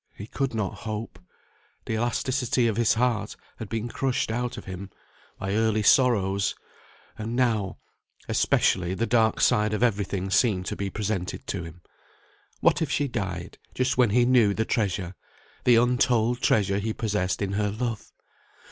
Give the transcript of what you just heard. He could not hope. The elasticity of his heart had been crushed out of him by early sorrows; and now, especially, the dark side of every thing seemed to be presented to him. What if she died, just when he knew the treasure, the untold treasure he possessed in her love!